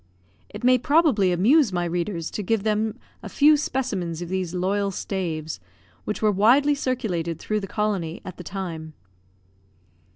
It may probably amuse my readers, to give them a few specimens of these loyal staves, which were widely circulated through the colony at the time.